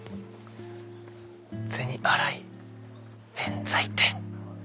「銭洗弁財天」。